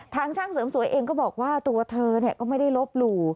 ช่างเสริมสวยเองก็บอกว่าตัวเธอก็ไม่ได้ลบหลู่